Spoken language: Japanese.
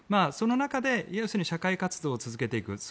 その中で社会活動を続けていく。